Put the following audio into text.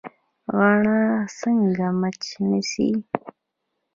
غڼه څنګه مچ نیسي؟